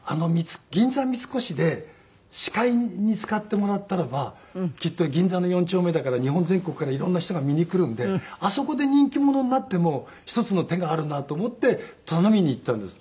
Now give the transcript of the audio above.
銀座三越で司会に使ってもらったらばきっと銀座の４丁目だから日本全国から色んな人が見に来るんであそこで人気者になっても一つの手があるなと思って頼みに行ったんです